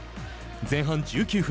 前半１９分。